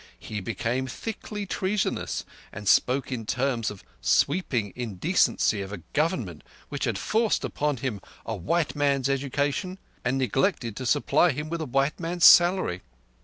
He became thickly treasonous, and spoke in terms of sweeping indecency of a Government which had forced upon him a white man's education and neglected to supply him with a white man's salary.